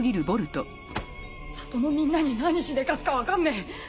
里のみんなに何しでかすかわかんねえ。